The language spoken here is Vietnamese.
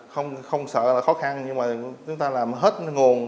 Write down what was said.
chúng ta không sợ là khó khăn nhưng mà chúng ta làm hết nguồn